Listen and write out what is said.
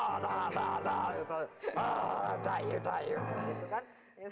nah itu kan